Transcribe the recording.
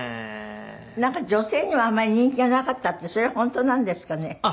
なんか女性にはあんまり人気がなかったってそれ本当なんですかね？